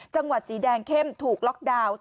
สีแดงเข้มถูกล็อกดาวน์